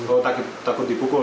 oh takut dipukul